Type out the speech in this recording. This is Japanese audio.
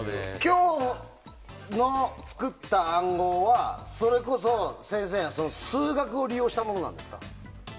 今日の作った暗号はそれこそ先生が数学を利用したものなんですか？